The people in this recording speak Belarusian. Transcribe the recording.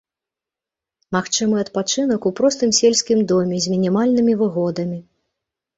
Магчымы адпачынак у простым сельскім доме з мінімальнымі выгодамі.